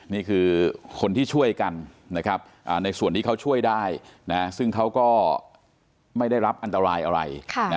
นี่คือคนที่ช่วยกันนะครับในส่วนที่เขาช่วยได้ซึ่งเขาก็ไม่ได้รับอันตรายอะไร